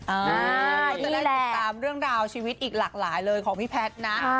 เขาจะได้ติดตามเรื่องราวชีวิตอีกหลากหลายเลยของพี่แพทย์นะ